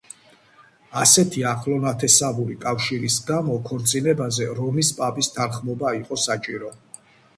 ასეთი ახლონათესავური კავშირის გამო, ქორწინებაზე რომის პაპის თანხმობა იყო საჭირო.